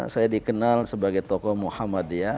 saya dikenal sebagai tokoh muhammadiyah